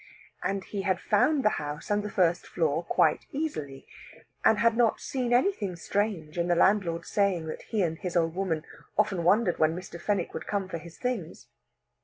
And he had found the house and the first floor quite easily, and had not seen anything strange in the landlord saying that he and his old woman often wondered when Mr. Fenwick would come for his things.